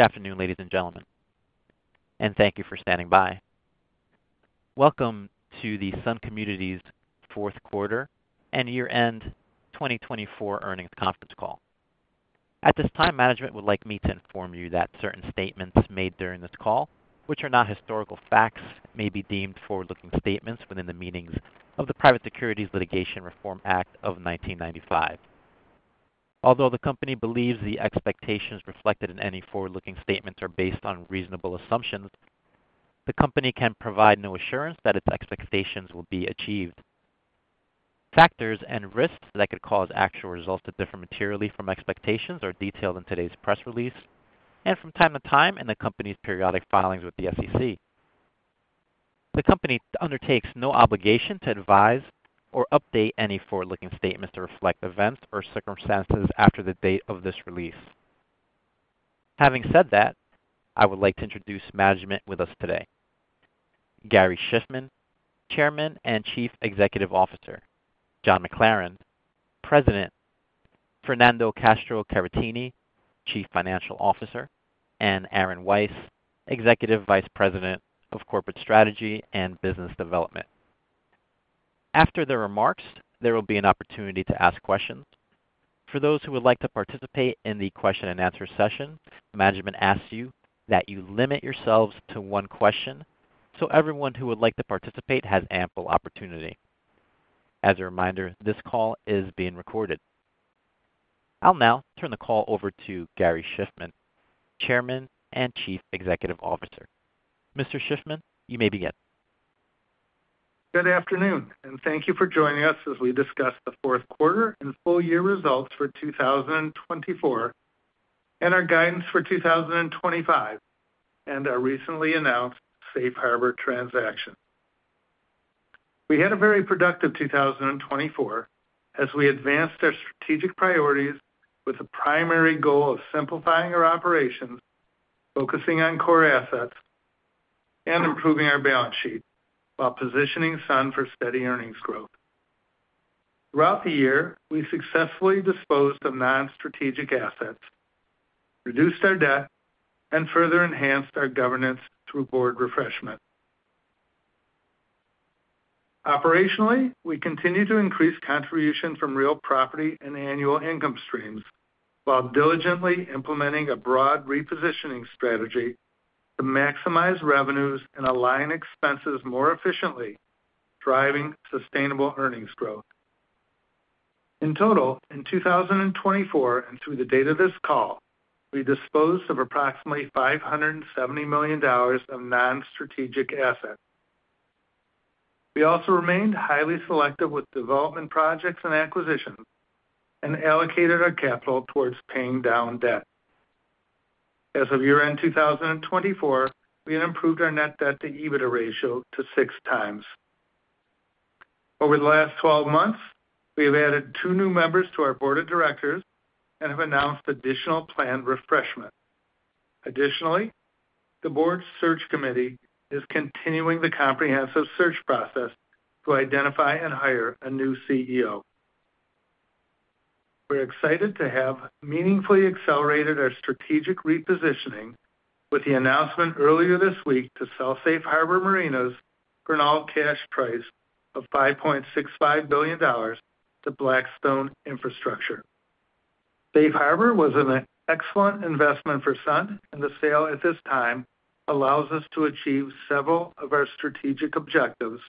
Good afternoon, ladies and gentlemen, and thank you for standing by. Welcome to the Sun Communities' fourth quarter and year-end 2024 earnings conference call. At this time, management would like me to inform you that certain statements made during this call, which are not historical facts, may be deemed forward-looking statements within the meanings of the Private Securities Litigation Reform Act of 1995. Although the company believes the expectations reflected in any forward-looking statements are based on reasonable assumptions, the company can provide no assurance that its expectations will be achieved. Factors and risks that could cause actual results to differ materially from expectations are detailed in today's press release and from time to time in the company's periodic filings with the SEC. The company undertakes no obligation to advise or update any forward-looking statements to reflect events or circumstances after the date of this release. Having said that, I would like to introduce management with us today: Gary Shiffman, Chairman and Chief Executive Officer, John McLaren, President, Fernando Castro-Caratini, Chief Financial Officer, and Aaron Weiss, Executive Vice President of Corporate Strategy and Business Development. After their remarks, there will be an opportunity to ask questions. For those who would like to participate in the question-and-answer session, management asks you that you limit yourselves to one question so everyone who would like to participate has ample opportunity. As a reminder, this call is being recorded. I'll now turn the call over to Gary Shiffman, Chairman and Chief Executive Officer. Mr. Shiffman, you may begin. Good afternoon, and thank you for joining us as we discuss the fourth quarter and full-year results for 2024 and our guidance for 2025 and our recently announced Safe Harbor transaction. We had a very productive 2024 as we advanced our strategic priorities with a primary goal of simplifying our operations, focusing on core assets, and improving our balance sheet while positioning Sun for steady earnings growth. Throughout the year, we successfully disposed of non-strategic assets, reduced our debt, and further enhanced our governance through board refreshment. Operationally, we continue to increase contributions from real property and annual income streams while diligently implementing a broad repositioning strategy to maximize revenues and align expenses more efficiently, driving sustainable earnings growth. In total, in 2024 and through the date of this call, we disposed of approximately $570 million of non-strategic assets. We also remained highly selective with development projects and acquisitions and allocated our capital towards paying down debt. As of year-end 2024, we had improved our net debt-to-EBITDA ratio to six times. Over the last 12 months, we have added two new members to our board of directors and have announced additional planned refreshment. Additionally, the board's search committee is continuing the comprehensive search process to identify and hire a new CEO. We're excited to have meaningfully accelerated our strategic repositioning with the announcement earlier this week to sell Safe Harbor Marinas for an all-cash price of $5.65 billion to Blackstone Infrastructure. Safe Harbor was an excellent investment for Sun, and the sale at this time allows us to achieve several of our strategic objectives,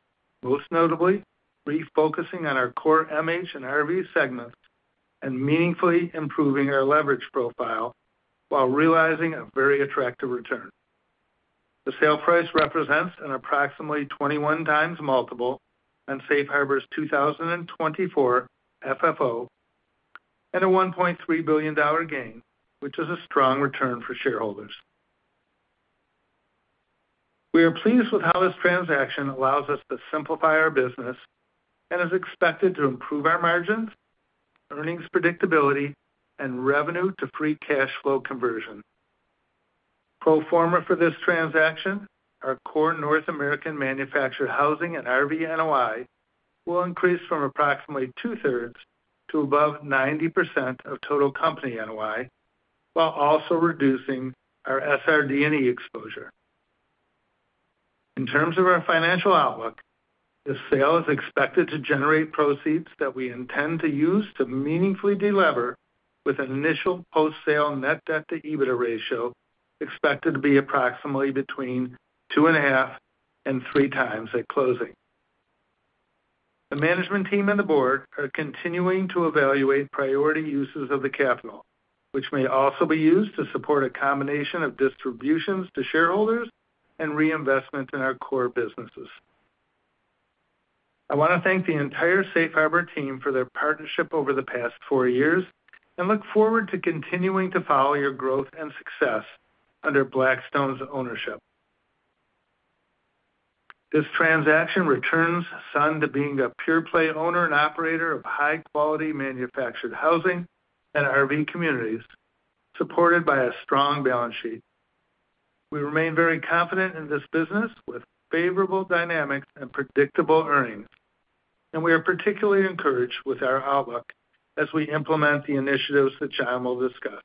most notably refocusing on our core MH and RV segments and meaningfully improving our leverage profile while realizing a very attractive return. The sale price represents an approximately 21x multiple on Safe Harbor's 2024 FFO and a $1.3 billion gain, which is a strong return for shareholders. We are pleased with how this transaction allows us to simplify our business and is expected to improve our margins, earnings predictability, and revenue-to-free cash flow conversion. Pro forma for this transaction, our core North American manufactured housing and RV NOI will increase from approximately 2/3 to above 90% of total company NOI while also reducing our SRD&E exposure. In terms of our financial outlook, the sale is expected to generate proceeds that we intend to use to meaningfully de-lever with an initial post-sale net debt-to-EBITDA ratio expected to be approximately between two and a half and three times at closing. The management team and the board are continuing to evaluate priority uses of the capital, which may also be used to support a combination of distributions to shareholders and reinvestment in our core businesses. I want to thank the entire Safe Harbor team for their partnership over the past four years and look forward to continuing to follow your growth and success under Blackstone's ownership. This transaction returns Sun to being a pure-play owner and operator of high-quality manufactured housing and RV communities, supported by a strong balance sheet. We remain very confident in this business with favorable dynamics and predictable earnings, and we are particularly encouraged with our outlook as we implement the initiatives that John will discuss.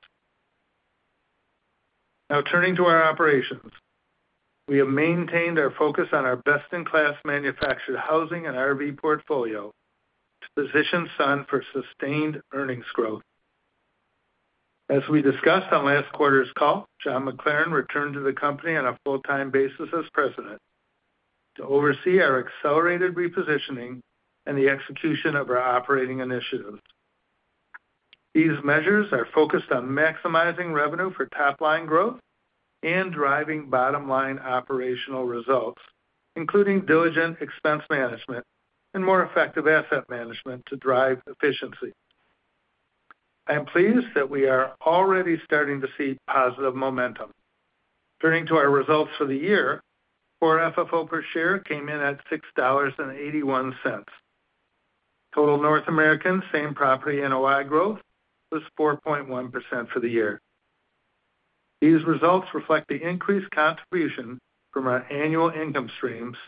Now, turning to our operations, we have maintained our focus on our best-in-class manufactured housing and RV portfolio to position Sun for sustained earnings growth. As we discussed on last quarter's call, John McLaren returned to the company on a full-time basis as President to oversee our accelerated repositioning and the execution of our operating initiatives. These measures are focused on maximizing revenue for top-line growth and driving bottom-line operational results, including diligent expense management and more effective asset management to drive efficiency. I am pleased that we are already starting to see positive momentum. Turning to our results for the year, Core FFO per share came in at $6.81. Total North American Same Property NOI growth was 4.1% for the year. These results reflect the increased contribution from our annual income streams,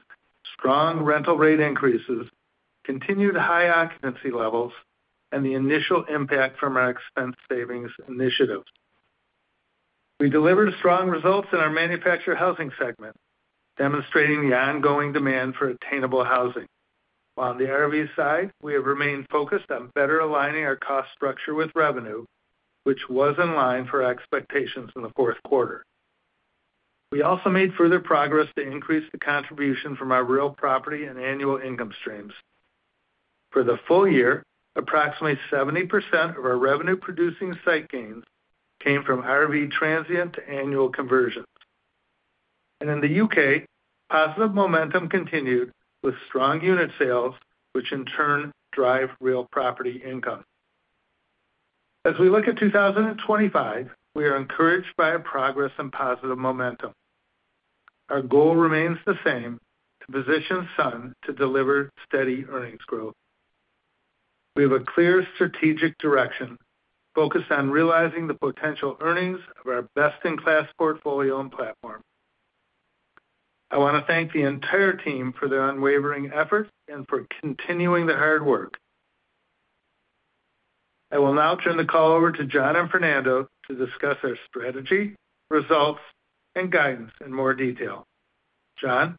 strong rental rate increases, continued high occupancy levels, and the initial impact from our expense savings initiatives. We delivered strong results in our Manufactured Housing segment, demonstrating the ongoing demand for attainable housing. On the RV side, we have remained focused on better aligning our cost structure with revenue, which was in line for expectations in the fourth quarter. We also made further progress to increase the contribution from our real property and annual income streams. For the full year, approximately 70% of our revenue-producing site gains came from RV transient to annual conversions. In the U.K., positive momentum continued with strong unit sales, which in turn drive real property income. As we look at 2025, we are encouraged by our progress and positive momentum. Our goal remains the same: to position Sun to deliver steady earnings growth. We have a clear strategic direction focused on realizing the potential earnings of our best-in-class portfolio and platform. I want to thank the entire team for their unwavering efforts and for continuing the hard work. I will now turn the call over to John and Fernando to discuss our strategy, results, and guidance in more detail. John?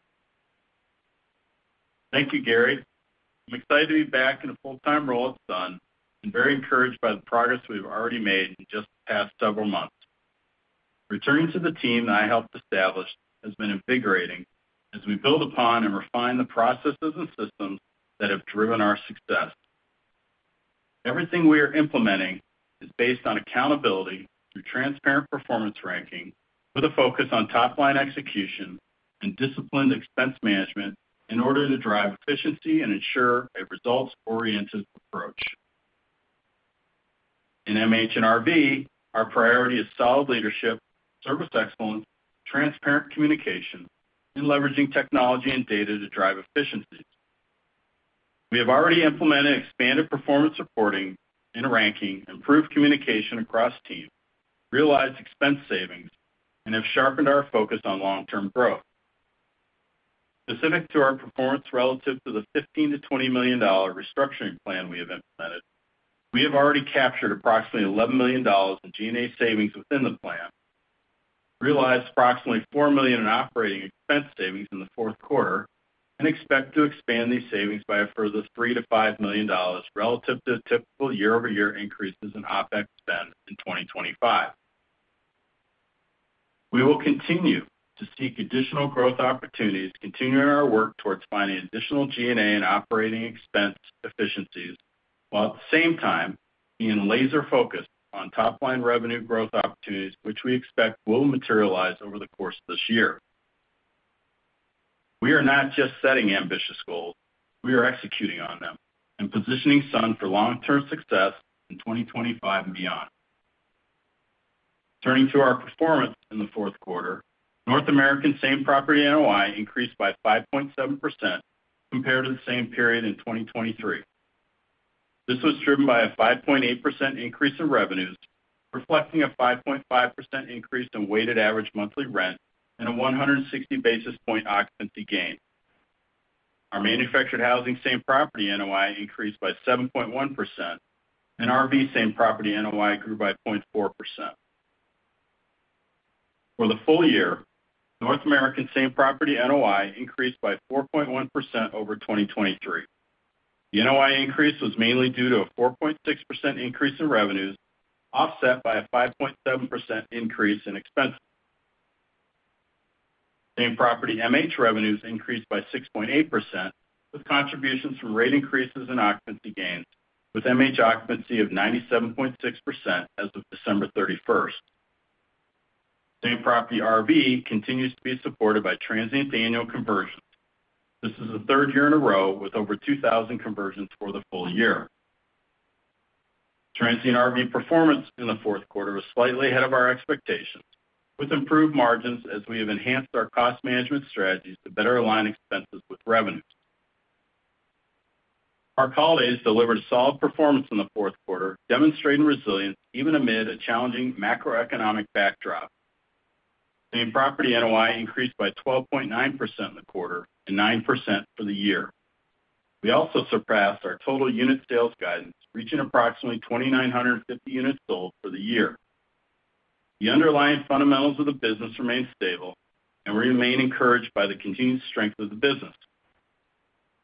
Thank you, Gary. I'm excited to be back in a full-time role at Sun and very encouraged by the progress we've already made in just the past several months. Returning to the team that I helped establish has been invigorating as we build upon and refine the processes and systems that have driven our success. Everything we are implementing is based on accountability through transparent performance ranking with a focus on top-line execution and disciplined expense management in order to drive efficiency and ensure a results-oriented approach. In MH and RV, our priority is solid leadership, service excellence, transparent communication, and leveraging technology and data to drive efficiencies. We have already implemented expanded performance reporting and ranking, improved communication across teams, realized expense savings, and have sharpened our focus on long-term growth. Specific to our performance relative to the $15 to $20 million restructuring plan we have implemented, we have already captured approximately $11 million in G&A savings within the plan, realized approximately $4 million in operating expense savings in the fourth quarter, and expect to expand these savings by a further $3 to $5 million relative to typical year-over-year increases in OpEx spend in 2025. We will continue to seek additional growth opportunities, continuing our work towards finding additional G&A and operating expense efficiencies while at the same time being laser-focused on top-line revenue growth opportunities, which we expect will materialize over the course of this year. We are not just setting ambitious goals. We are executing on them and positioning Sun for long-term success in 2025 and beyond. Turning to our performance in the fourth quarter, North American Same Property NOI increased by 5.7% compared to the same period in 2023. This was driven by a 5.8% increase in revenues, reflecting a 5.5% increase in weighted average monthly rent and a 160 basis point occupancy gain. Our Manufactured Housing Same property NOI increased by 7.1%, and RV same property NOI grew by 0.4%. For the full year, North American Same Property NOI increased by 4.1% over 2023. The NOI increase was mainly due to a 4.6% increase in revenues offset by a 5.7% increase in expenses. Same property MH revenues increased by 6.8% with contributions from rate increases and occupancy gains, with MH occupancy of 97.6% as of December 31st. Same property RV continues to be supported by transient to annual conversions. This is the third year in a row with over 2,000 conversions for the full year. Transient RV performance in the fourth quarter was slightly ahead of our expectations, with improved margins as we have enhanced our cost management strategies to better align expenses with revenues. Our colleagues delivered solid performance in the fourth quarter, demonstrating resilience even amid a challenging macroeconomic backdrop. Same Property NOI increased by 12.9% in the quarter and 9% for the year. We also surpassed our total unit sales guidance, reaching approximately 2,950 units sold for the year. The underlying fundamentals of the business remain stable, and we remain encouraged by the continued strength of the business.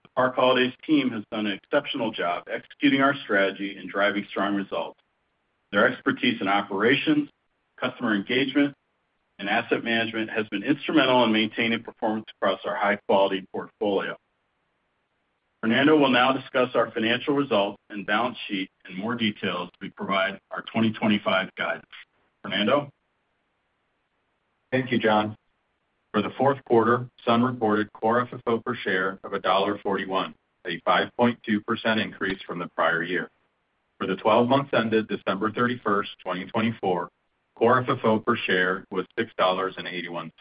The Park Holidays team has done an exceptional job executing our strategy and driving strong results. Their expertise in operations, customer engagement, and asset management has been instrumental in maintaining performance across our high-quality portfolio. Fernando will now discuss our financial results and balance sheet in more detail as we provide our 2025 guidance. Fernando? Thank you, John. For the fourth quarter, Sun reported core FFO per share of $1.41, a 5.2% increase from the prior year. For the 12 months ended December 31st, 2024, core FFO per share was $6.81.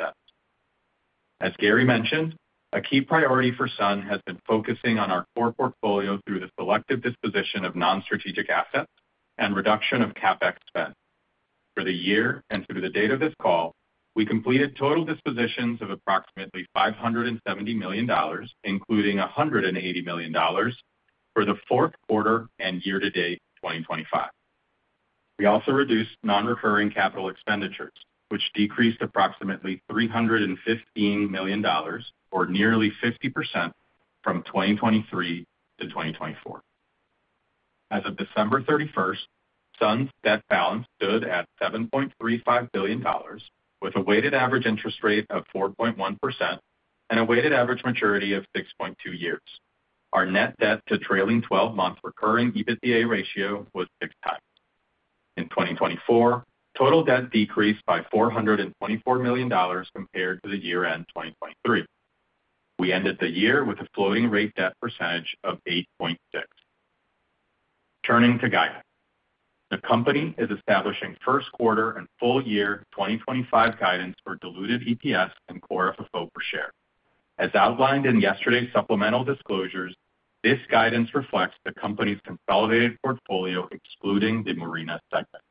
As Gary mentioned, a key priority for Sun has been focusing on our core portfolio through the selective disposition of non-strategic assets and reduction of CapEx spend. For the year and through the date of this call, we completed total dispositions of approximately $570 million, including $180 million for the fourth quarter and year-to-date 2025. We also reduced non-recurring capital expenditures, which decreased approximately $315 million, or nearly 50%, from 2023 to 2024. As of December 31st, Sun's debt balance stood at $7.35 billion, with a weighted average interest rate of 4.1% and a weighted average maturity of 6.2 years. Our net debt to trailing 12-month recurring EBITDA ratio was 6x. In 2024, total debt decreased by $424 million compared to the year-end 2023. We ended the year with a floating-rate debt percentage of 8.6%. Turning to guidance, the company is establishing first quarter and full year 2025 guidance for diluted EPS and Core FFO per share. As outlined in yesterday's supplemental disclosures, this guidance reflects the company's consolidated portfolio excluding the Marinas segment.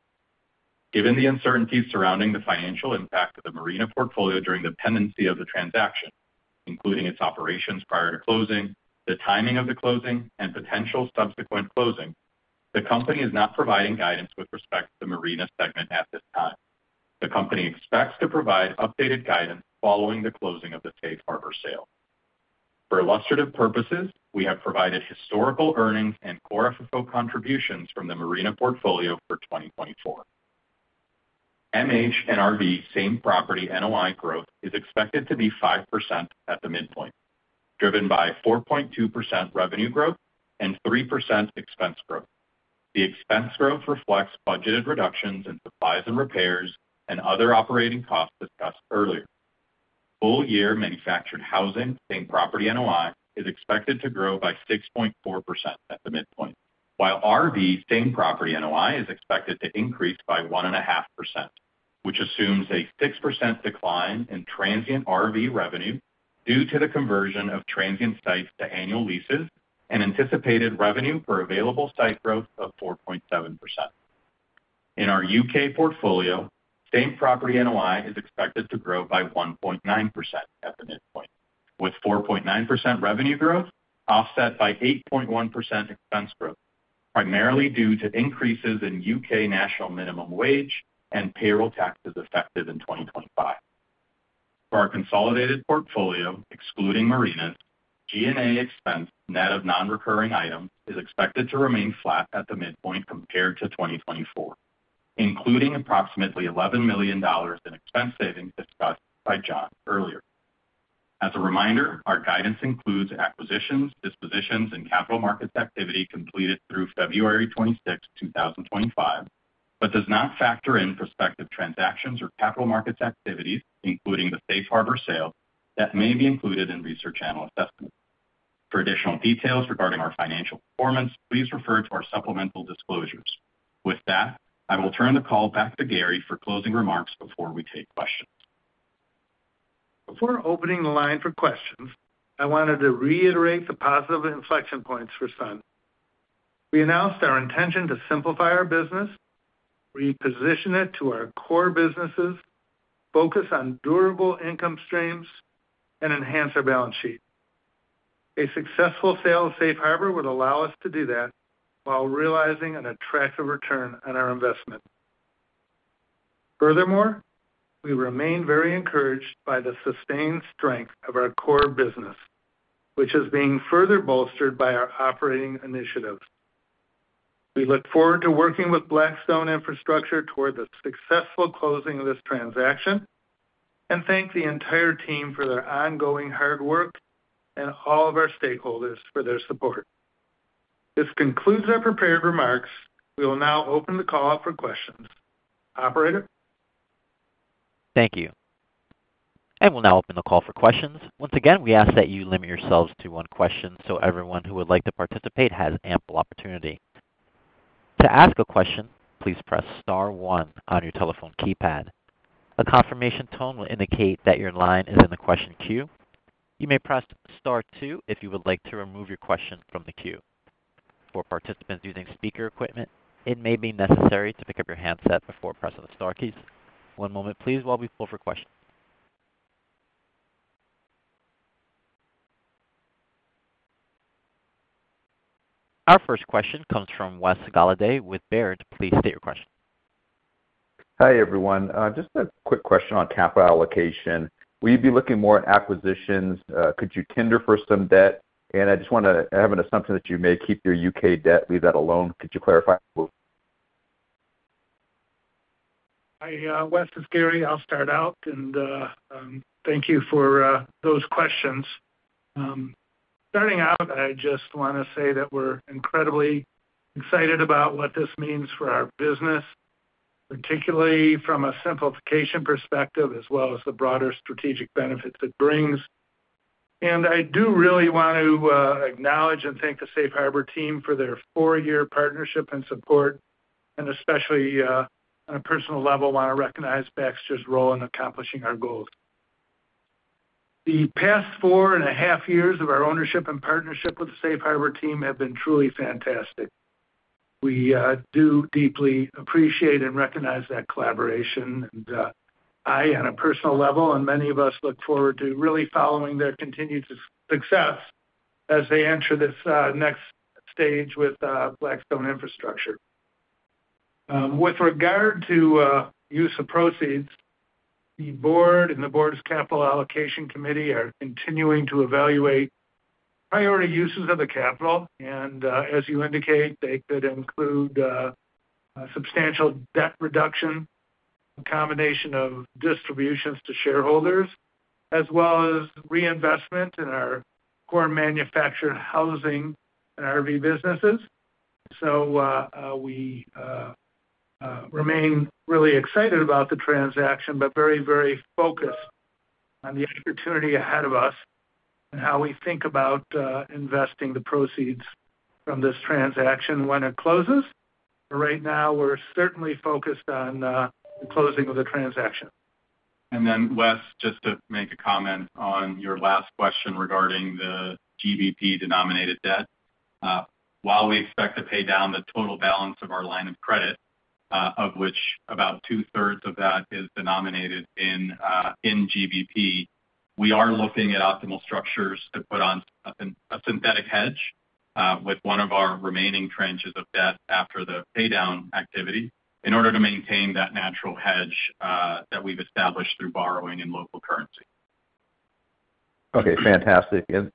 Given the uncertainties surrounding the financial impact of the Marinas portfolio during the pendency of the transaction, including its operations prior to closing, the timing of the closing, and potential subsequent closing, the company is not providing guidance with respect to the Marinas segment at this time. The company expects to provide updated guidance following the closing of the Safe Harbor sale. For illustrative purposes, we have provided historical earnings and Core FFO contributions from the Marinas portfolio for 2024. MH and RV Same property NOI growth is expected to be 5% at the midpoint, driven by 4.2% revenue growth and 3% expense growth. The expense growth reflects budgeted reductions in supplies and repairs and other operating costs discussed earlier. Full-year manufactured housing same property NOI is expected to grow by 6.4% at the midpoint, while RV same property NOI is expected to increase by 1.5%, which assumes a 6% decline in transient RV revenue due to the conversion of transient sites to annual leases and anticipated revenue per available site growth of 4.7%. In our U.K. portfolio, same property NOI is expected to grow by 1.9% at the midpoint, with 4.9% revenue growth offset by 8.1% expense growth, primarily due to increases in U.K. national minimum wage and payroll taxes effective in 2025. For our consolidated portfolio, excluding Marinas, G&A expense net of non-recurring items is expected to remain flat at the midpoint compared to 2024, including approximately $11 million in expense savings discussed by John earlier. As a reminder, our guidance includes acquisitions, dispositions, and capital markets activity completed through February 26, 2025, but does not factor in prospective transactions or capital markets activities, including the Safe Harbor sale, that may be included in research analyst estimates. For additional details regarding our financial performance, please refer to our supplemental disclosures. With that, I will turn the call back to Gary for closing remarks before we take questions. Before opening the line for questions, I wanted to reiterate the positive inflection points for Sun. We announced our intention to simplify our business, reposition it to our core businesses, focus on durable income streams, and enhance our balance sheet. A successful sale of Safe Harbor would allow us to do that while realizing an attractive return on our investment. Furthermore, we remain very encouraged by the sustained strength of our core business, which is being further bolstered by our operating initiatives. We look forward to working with Blackstone Infrastructure toward the successful closing of this transaction and thank the entire team for their ongoing hard work and all of our stakeholders for their support. This concludes our prepared remarks. We will now open the call for questions. Operator? Thank you. I will now open the call for questions. Once again, we ask that you limit yourselves to one question so everyone who would like to participate has ample opportunity. To ask a question, please press Star one on your telephone keypad. A confirmation tone will indicate that your line is in the question queue. You may press Star two if you would like to remove your question from the queue. For participants using speaker equipment, it may be necessary to pick up your handset before pressing the Star keys. One moment, please, while we poll for questions. Our first question comes from Wes Golladay with Baird. Please state your question. Hi everyone. Just a quick question on capital allocation. Will you be looking more at acquisitions? Could you tender for some debt? And I just want to have an assumption that you may keep your U.K. debt, leave that alone. Could you clarify? Hi, Wes, it's Gary. I'll start out and thank you for those questions. Starting out, I just want to say that we're incredibly excited about what this means for our business, particularly from a simplification perspective, as well as the broader strategic benefits it brings. And I do really want to acknowledge and thank the Safe Harbor team for their four-year partnership and support, and especially on a personal level, I want to recognize Baxter's role in accomplishing our goals. The past four and a half years of our ownership and partnership with the Safe Harbor team have been truly fantastic. We do deeply appreciate and recognize that collaboration. And I, on a personal level, and many of us, look forward to really following their continued success as they enter this next stage with Blackstone Infrastructure. With regard to use of proceeds, the board and the board's capital allocation committee are continuing to evaluate priority uses of the capital. And as you indicate, they could include substantial debt reduction, a combination of distributions to shareholders, as well as reinvestment in our core manufactured housing and RV businesses. So we remain really excited about the transaction, but very, very focused on the opportunity ahead of us and how we think about investing the proceeds from this transaction when it closes. Right now, we're certainly focused on the closing of the transaction. Then, Wes, just to make a comment on your last question regarding the GBP-denominated debt, while we expect to pay down the total balance of our line of credit, of which about two-thirds of that is denominated in GBP, we are looking at optimal structures to put on a synthetic hedge with one of our remaining tranches of debt after the paydown activity in order to maintain that natural hedge that we've established through borrowing in local currency. Okay. Fantastic. And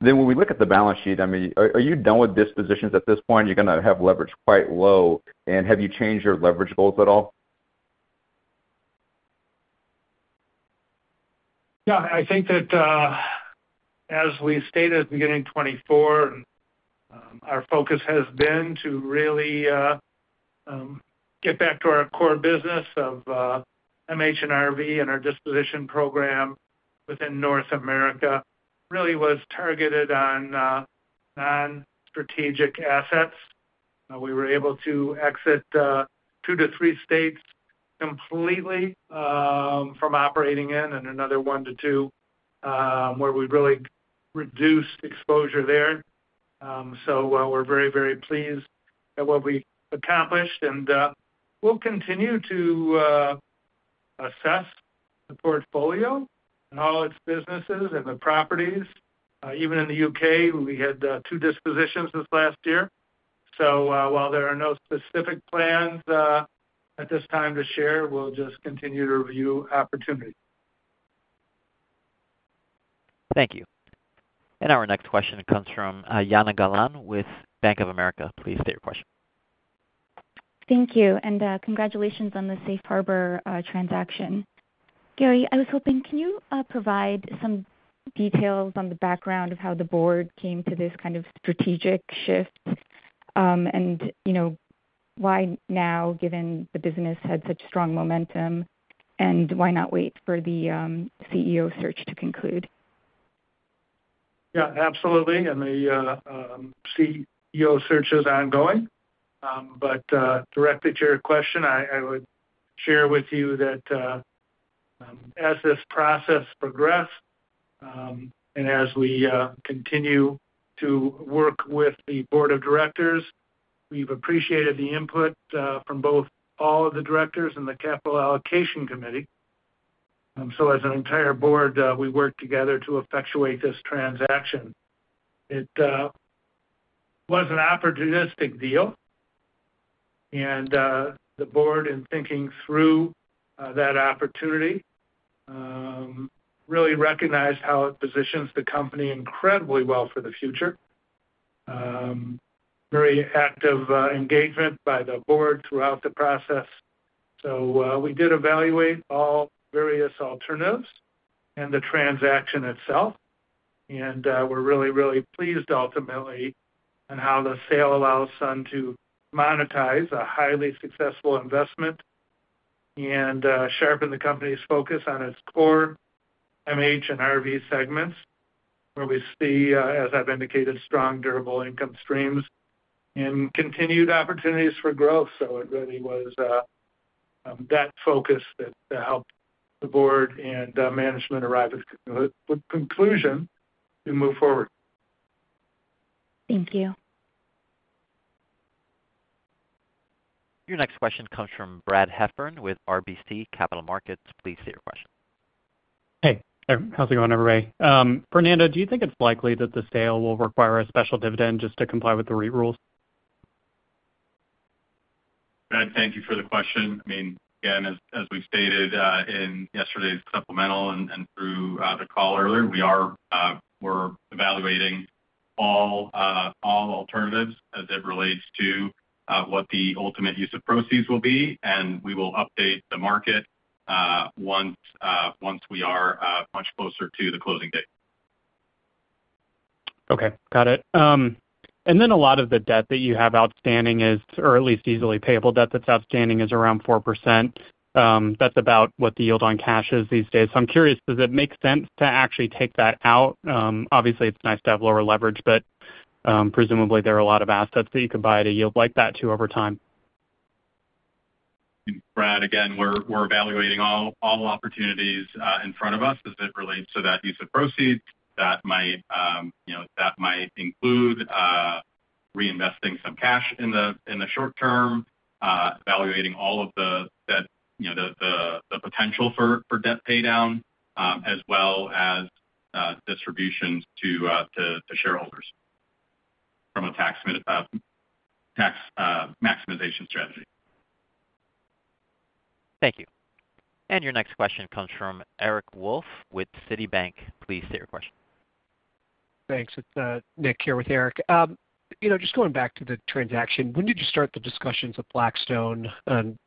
then when we look at the balance sheet, I mean, are you done with dispositions at this point? You're going to have leverage quite low. And have you changed your leverage goals at all? Yeah. I think that as we stated at the beginning of 2024, our focus has been to really get back to our core business of MH and RV and our disposition program within North America. Really was targeted on non-strategic assets. We were able to exit two to three states completely from operating in and another one to two where we really reduced exposure there. So we're very, very pleased at what we accomplished. And we'll continue to assess the portfolio and all its businesses and the properties. Even in the U.K., we had two dispositions this last year. So while there are no specific plans at this time to share, we'll just continue to review opportunity. Thank you. And our next question comes from Jana Galan with Bank of America. Please state your question. Thank you and congratulations on the Safe Harbor transaction. Gary, I was hoping, can you provide some details on the background of how the board came to this kind of strategic shift and why now, given the business had such strong momentum, and why not wait for the CEO search to conclude? Yeah, absolutely, and the CEO search is ongoing. But directly to your question, I would share with you that as this process progressed and as we continue to work with the board of directors, we've appreciated the input from both all of the directors and the capital allocation committee, so as an entire board, we worked together to effectuate this transaction. It was an opportunistic deal, and the board, in thinking through that opportunity, really recognized how it positions the company incredibly well for the future. Very active engagement by the board throughout the process, so we did evaluate all various alternatives and the transaction itself. And we're really, really pleased ultimately on how the sale allows Sun to monetize a highly successful investment and sharpen the company's focus on its core MH and RV segments, where we see, as I've indicated, strong durable income streams and continued opportunities for growth. So it really was that focus that helped the board and management arrive at a conclusion to move forward. Thank you. Your next question comes from Brad Heffern with RBC Capital Markets. Please state your question. Hey. How's it going, everybody? Fernando, do you think it's likely that the sale will require a special dividend just to comply with the REIT rules? Brad, thank you for the question. I mean, again, as we stated in yesterday's supplemental and through the call earlier, we are evaluating all alternatives as it relates to what the ultimate use of proceeds will be, and we will update the market once we are much closer to the closing date. Okay. Got it. And then a lot of the debt that you have outstanding is, or at least easily payable debt that's outstanding is around 4%. That's about what the yield on cash is these days. So I'm curious, does it make sense to actually take that out? Obviously, it's nice to have lower leverage, but presumably there are a lot of assets that you could buy at a yield like that too over time. Brad, again, we're evaluating all opportunities in front of us as it relates to that use of proceeds. That might include reinvesting some cash in the short term, evaluating all of the potential for debt paydown, as well as distributions to shareholders from a tax maximization strategy. Thank you. And your next question comes from Eric Wolfe with Citibank. Please state your question. Thanks. Nick here with Eric. Just going back to the transaction, when did you start the discussions with Blackstone?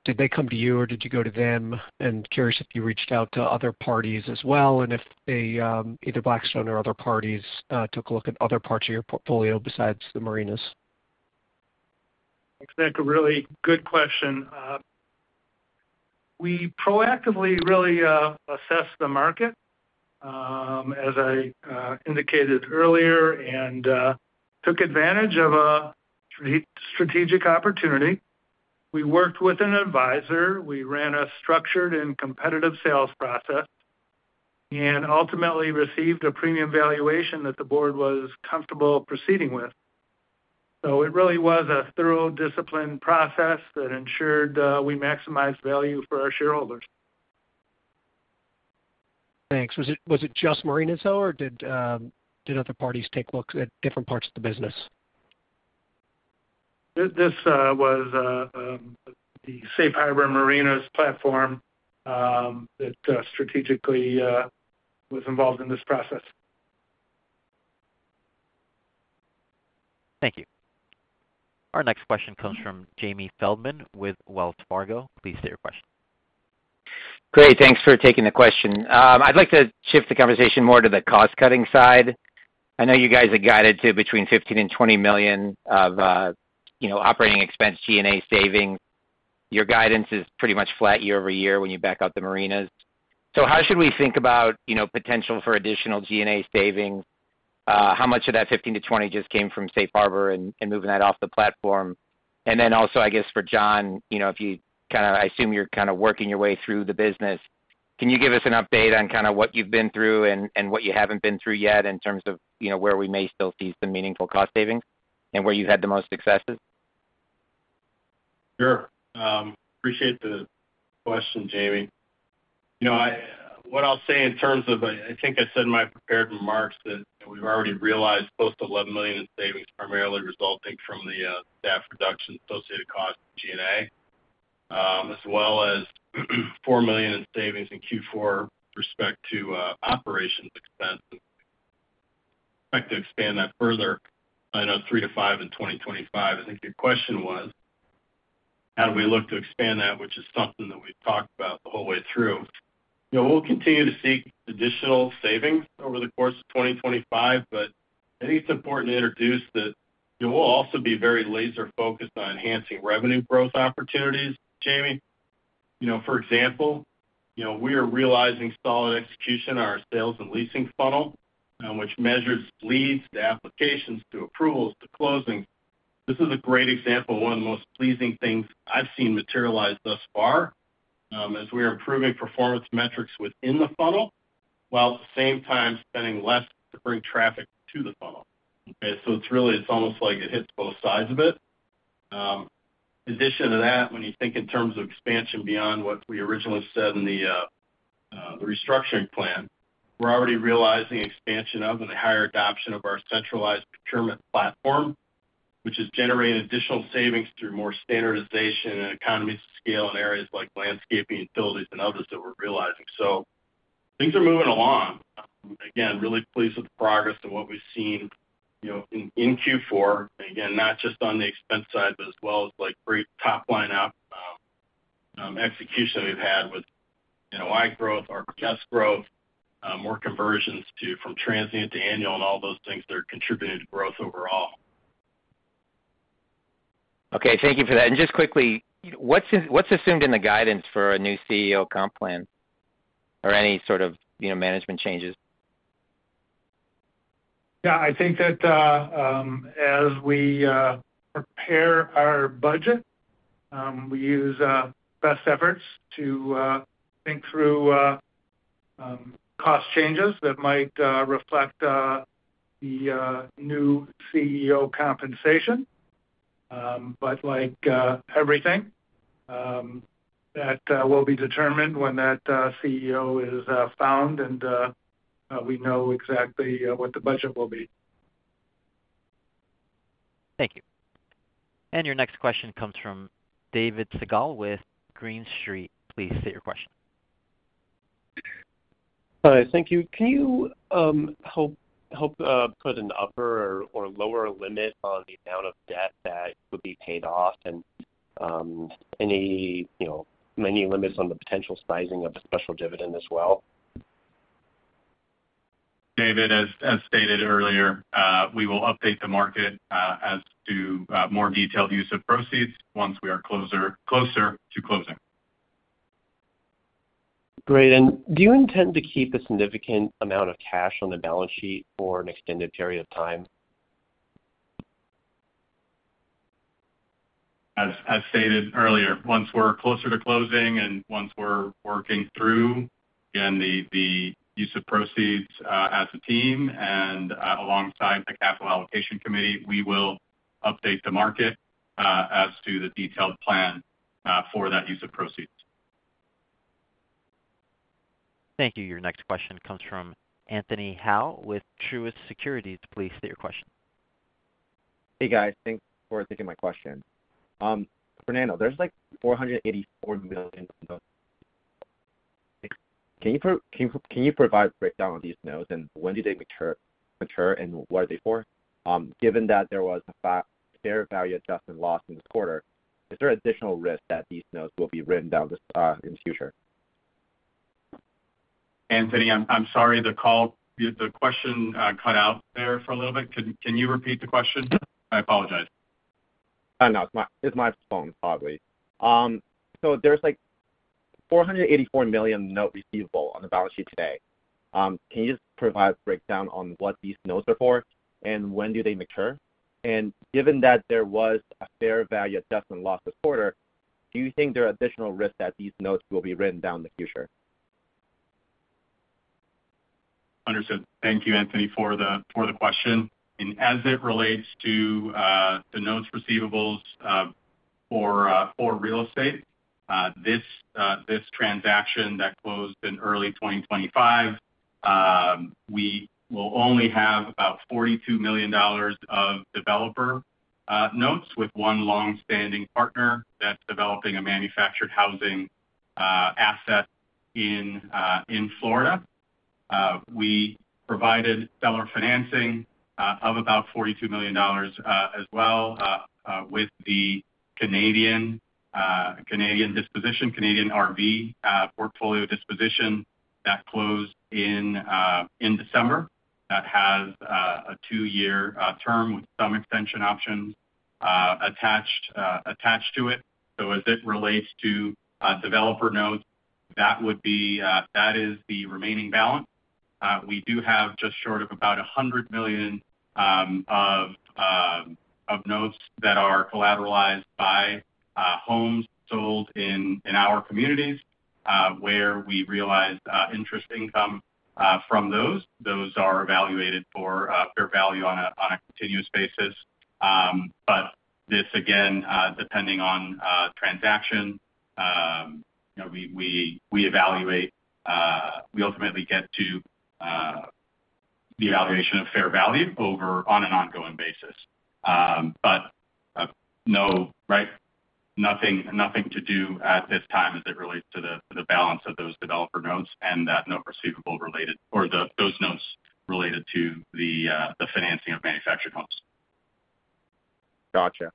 Did they come to you or did you go to them? And curious if you reached out to other parties as well and if either Blackstone or other parties took a look at other parts of your portfolio besides the Marinas. Thanks, Nick. A really good question. We proactively really assessed the market, as I indicated earlier, and took advantage of a strategic opportunity. We worked with an advisor. We ran a structured and competitive sales process and ultimately received a premium valuation that the board was comfortable proceeding with. So it really was a thorough, disciplined process that ensured we maximized value for our shareholders. Thanks. Was it just Marinas, though, or did other parties take looks at different parts of the business? This was the Safe Harbor Marinas platform that strategically was involved in this process. Thank you. Our next question comes from Jamie Feldman with Wells Fargo. Please state your question. Great. Thanks for taking the question. I'd like to shift the conversation more to the cost-cutting side. I know you guys are guided to between $15 million and $20 million of operating expense G&A savings. Your guidance is pretty much flat year over year when you back out the Marinas. So how should we think about potential for additional G&A savings? How much of that $15 to $20 million just came from Safe Harbor and moving that off the platform? And then also, I guess for John, if you kind of I assume you're kind of working your way through the business. Can you give us an update on kind of what you've been through and what you haven't been through yet in terms of where we may still see some meaningful cost savings and where you've had the most successes? Sure. Appreciate the question, Jamie. What I'll say in terms of I think I said in my prepared remarks that we've already realized close to $11 million in savings, primarily resulting from the staff reduction associated costs in G&A, as well as $4 million in savings in Q4 with respect to operations expenses. We expect to expand that further by another $3 million to $5 million in 2025. I think your question was how do we look to expand that, which is something that we've talked about the whole way through. We'll continue to seek additional savings over the course of 2025, but I think it's important to introduce that we'll also be very laser-focused on enhancing revenue growth opportunities. Jamie, for example, we are realizing solid execution on our sales and leasing funnel, which measures leads to applications to approvals to closings. This is a great example of one of the most pleasing things I've seen materialize thus far as we are improving performance metrics within the funnel while at the same time spending less to bring traffic to the funnel. Okay? So it's really almost like it hits both sides of it. In addition to that, when you think in terms of expansion beyond what we originally said in the restructuring plan, we're already realizing expansion of and a higher adoption of our centralized procurement platform, which is generating additional savings through more standardization and economies of scale in areas like landscaping, utilities, and others that we're realizing. So things are moving along. Again, really pleased with the progress of what we've seen in Q4. Again, not just on the expense side, but as well as great top-line execution we've had with rate growth, our test growth, more conversions from transient to annual, and all those things that are contributing to growth overall. Okay. Thank you for that. And just quickly, what's assumed in the guidance for a new CEO comp plan or any sort of management changes? Yeah. I think that as we prepare our budget, we use best efforts to think through cost changes that might reflect the new CEO compensation. But like everything, that will be determined when that CEO is found and we know exactly what the budget will be. Thank you. And your next question comes from David Segall with Green Street. Please state your question. Hi. Thank you. Can you help put an upper or lower limit on the amount of debt that would be paid off and any limits on the potential sizing of the special dividend as well? David, as stated earlier, we will update the market as to more detailed use of proceeds once we are closer to closing. Great. And do you intend to keep a significant amount of cash on the balance sheet for an extended period of time? As stated earlier, once we're closer to closing and once we're working through, again, the use of proceeds as a team and alongside the capital allocation committee, we will update the market as to the detailed plan for that use of proceeds. Thank you. Your next question comes from Anthony Hau with Truist Securities. Please state your question. Hey, guys. Thanks for taking my question. Fernando, there's like $484 million in those. Can you provide a breakdown of these notes and when did they mature and what are they for? Given that there was a fair value adjustment loss in this quarter, is there additional risk that these notes will be written down in the future? Anthony, I'm sorry. The question cut out there for a little bit. Can you repeat the question? I apologize. No, it's my phone, oddly. So there's like $484 million note receivable on the balance sheet today. Can you just provide a breakdown on what these notes are for and when do they mature? And given that there was a fair value adjustment loss this quarter, do you think there are additional risks that these notes will be written down in the future? Understood. Thank you, Anthony, for the question, and as it relates to the notes receivable for real estate, this transaction that closed in early 2025. We will only have about $42 million of developer notes with one long-standing partner that's developing a manufactured housing asset in Florida. We provided seller financing of about $42 million as well with the Canadian disposition, Canadian RV portfolio disposition that closed in December that has a two-year term with some extension options attached to it, so as it relates to developer notes, that is the remaining balance. We do have just short of about $100 million of notes that are collateralized by homes sold in our communities where we realized interest income from those. Those are evaluated for fair value on a continuous basis, but this, again, depending on transaction, we ultimately get to the evaluation of fair value on an ongoing basis. But nothing to do at this time as it relates to the balance of those developer notes and that note receivable or those notes related to the financing of manufactured homes. Gotcha.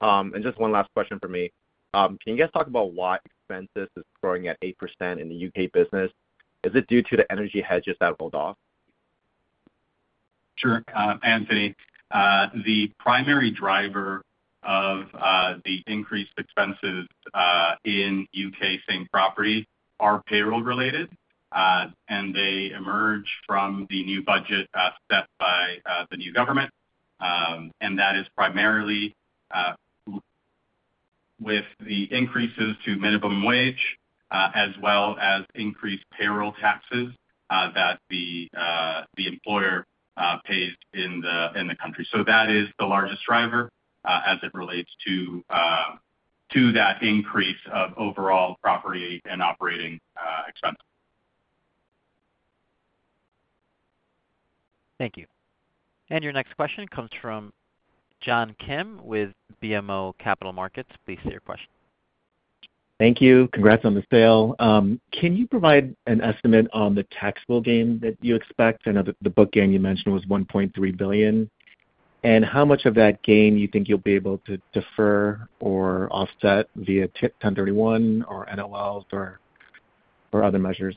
And just one last question for me. Can you guys talk about why expenses is growing at 8% in the U.K. business? Is it due to the energy hedges that rolled off? Sure. Anthony, the primary driver of the increased expenses in U.K. same property are payroll-related, and they emerge from the new budget set by the new government. And that is primarily with the increases to minimum wage, as well as increased payroll taxes that the employer pays in the country. So that is the largest driver as it relates to that increase of overall property and operating expenses. Thank you. And your next question comes from John Kim with BMO Capital Markets. Please state your question. Thank you. Congrats on the sale. Can you provide an estimate on the taxable gain that you expect? I know that the book gain you mentioned was $1.3 billion, and how much of that gain do you think you'll be able to defer or offset via 1031 or NOLs or other measures?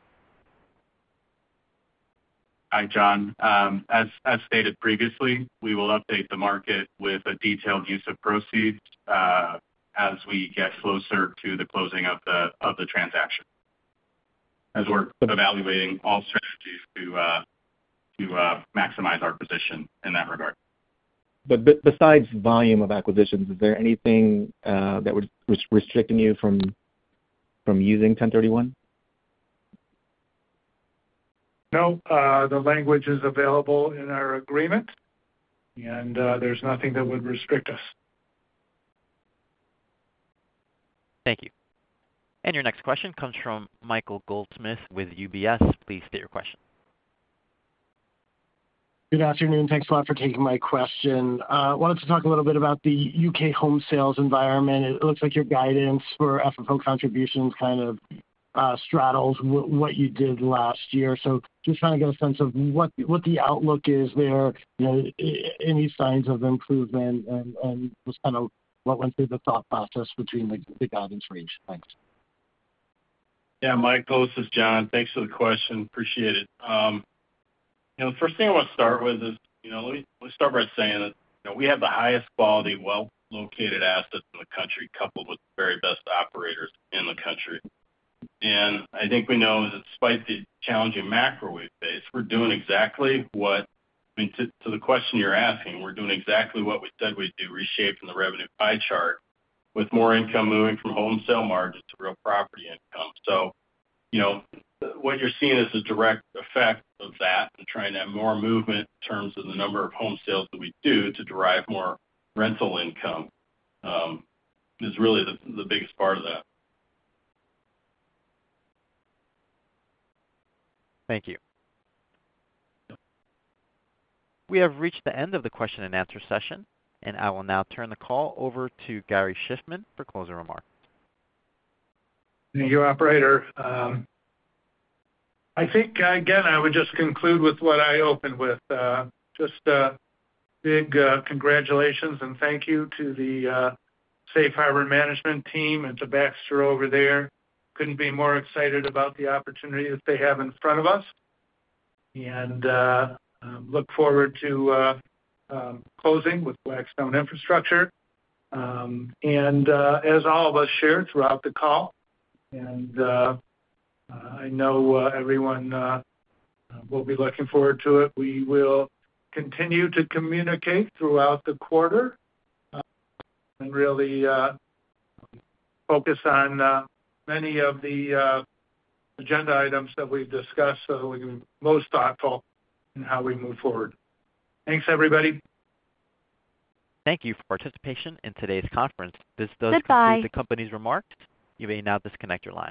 Hi, John. As stated previously, we will update the market with a detailed use of proceeds as we get closer to the closing of the transaction. As we're evaluating all strategies to maximize our position in that regard. But besides volume of acquisitions, is there anything that would be restricting you from using 1031? No. The language is available in our agreement, and there's nothing that would restrict us. Thank you. And your next question comes from Michael Goldsmith with UBS. Please state your question. Good afternoon. Thanks a lot for taking my question. I wanted to talk a little bit about the U.K. home sales environment. It looks like your guidance for FFO contributions kind of straddles what you did last year. So just trying to get a sense of what the outlook is there, any signs of improvement, and just kind of what went through the thought process between the guidance range. Thanks. Yeah. Mike, this is John. Thanks for the question. Appreciate it. The first thing I want to start with is let me start by saying that we have the highest quality well-located assets in the country coupled with the very best operators in the country. And I think we know that despite the challenging macro we face, we're doing exactly what I mean, to the question you're asking, we're doing exactly what we said we'd do, reshaping the revenue pie chart with more income moving from home sale margin to real property income. So what you're seeing is a direct effect of that and trying to have more movement in terms of the number of home sales that we do to derive more rental income is really the biggest part of that. Thank you. We have reached the end of the question and answer session, and I will now turn the call over to Gary Shiffman for closing remarks. Thank you, Operator. I think, again, I would just conclude with what I opened with. Just big congratulations and thank you to the Safe Harbor Management Team and to Baxter over there. Couldn't be more excited about the opportunity that they have in front of us. And look forward to closing with Blackstone Infrastructure. And as all of us shared throughout the call, and I know everyone will be looking forward to it, we will continue to communicate throughout the quarter and really focus on many of the agenda items that we've discussed so that we can be most thoughtful in how we move forward. Thanks, everybody. Thank you for participating in today's conference. This does conclude the company's remarks. You may now disconnect your line.